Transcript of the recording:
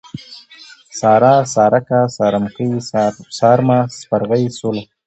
سارا ، سارکه ، سارمکۍ ، سارمه ، سپرغۍ ، سوله